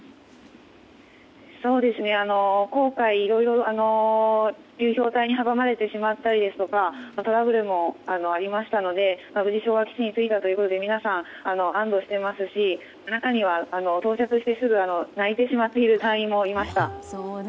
航海、いろいろ流氷に阻まれたりとトラブルもありましたので無事、昭和基地に着いたということで皆さん、安堵していますし中には到着してすぐ泣いてしまっている隊員もいました。